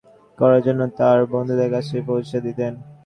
তিনি সেগুলো অন্যদের বিতরণ করার জন্য তার বন্ধুদের কাছে পৌঁছে দিতেন।